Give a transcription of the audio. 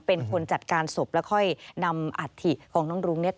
เป็นคนจัดการศพแล้วค่อยนำอัฐิของน้องรุ้งเนี่ย